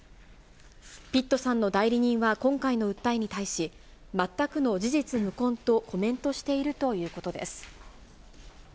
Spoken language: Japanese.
ピットさんの代理人は今回の訴えに対し、全くの事実無根とコメントしているということです。